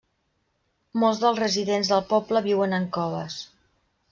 Molts dels residents del poble viuen en coves.